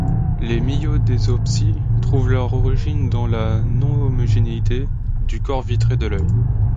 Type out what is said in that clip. Les myodésopsies trouvent leur origine dans la non-homogénéité du corps vitré de l'œil.